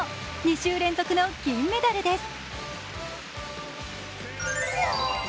２週連続の金メダルです。